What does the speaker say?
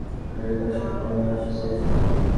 তাদের কাছে একটা মেয়ে আছে বলেছিলে।